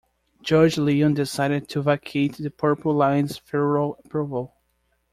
Judge Leon decided to vacate the Purple Line's federal approval.